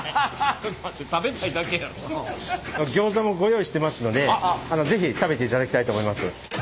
ちょっと待ってギョーザもご用意してますので是非食べていただきたいと思います。